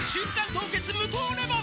凍結無糖レモン」